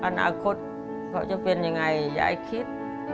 อนาคตเขาจะเป็นยังไงยายคิด